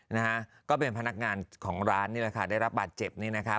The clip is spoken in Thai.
นะฮะก็เป็นพนักงานของร้านนี่แหละค่ะได้รับบาดเจ็บนี่นะคะ